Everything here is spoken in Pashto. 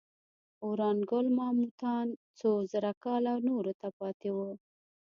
ورانګل ماموتان څو زره کاله نورو ته پاتې وو.